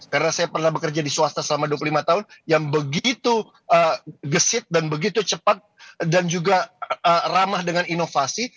karena saya pernah bekerja di swasta selama dua puluh lima tahun yang begitu gesit dan begitu cepat dan juga ramah dengan inovasi